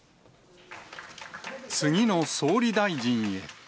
次の総理大臣へ。